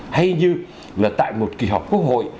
hay như là tại một kỳ họp quốc hội